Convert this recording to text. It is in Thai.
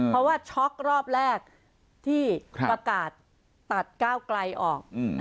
เพราะว่าช็อกรอบแรกที่ประกาศตัดก้าวไกลออก